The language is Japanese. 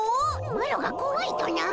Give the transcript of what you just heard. マロがこわいとな？